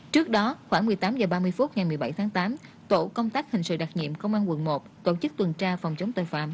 trước đó khoảng một mươi tám h ba mươi phút ngày một mươi bảy tháng tám tổ công tác hình sự đặc nhiệm công an quận một tổ chức tuần tra phòng chống tội phạm